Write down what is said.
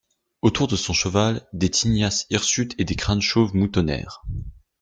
Autour de son cheval, des tignasses hirsutes et des crânes chauves moutonnèrent.